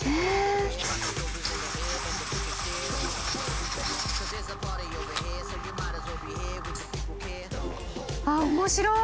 森川）あっ面白い！